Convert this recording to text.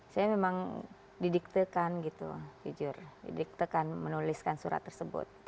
saya memang didiktekan gitu jujur didiktekan menuliskan surat tersebut